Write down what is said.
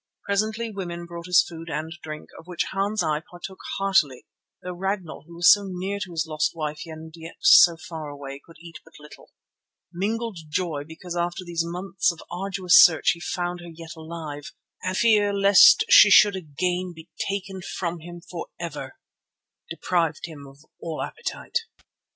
Presently women brought us food and drink, of which Hans and I partook heartily though Ragnall, who was so near to his lost wife and yet so far away, could eat but little. Mingled joy because after these months of arduous search he found her yet alive, and fear lest she should again be taken from him for ever, deprived him of all appetite.